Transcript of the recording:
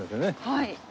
はい。